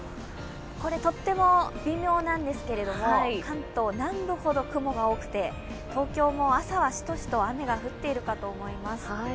これ、とっても微妙なんですけれども、関東南部ほど雲が多くて東京も朝はしとしと雨が降っていると思います。